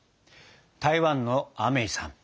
台湾のアメイさん